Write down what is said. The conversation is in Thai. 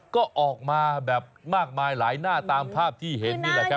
ก็ออกมาแบบมากมายหลายหน้าตามภาพที่เห็นนี่แหละครับ